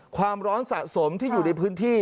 ความร้อนสะสมที่อยู่ในพื้นที่